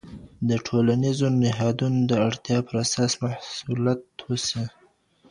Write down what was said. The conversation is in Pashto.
د ټولینزو نهادونو د اړتیا پر اساس محصوالت وسي.